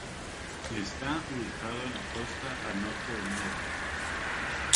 Está ubicada en la costa al norte de Niebla.